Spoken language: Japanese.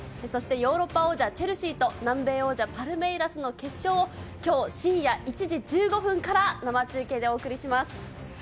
そしてヨーロッパ王者チェルシーと南米王者パルメイラスの決勝を今日深夜１時１５分から生中継でお送りします。